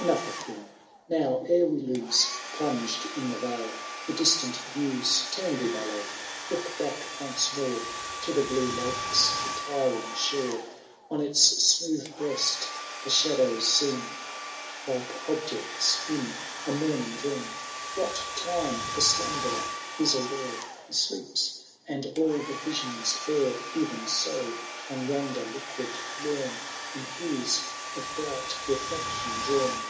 II. Enough of him. — Now, ere we lose. Plunged in the vale, the distant views. Turn thee, my love I look back once more To the blue lakers retiring shore. On its smooth breast the shadows seem Like objects in a morning dream, \ What time the slumberer is aware I He sleeps, and all the vision^s air : Even so, on yonder liquid lawn. In hues of bright reflection drawn.